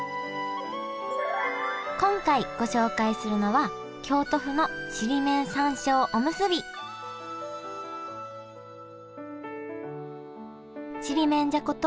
今回ご紹介するのはちりめんじゃこと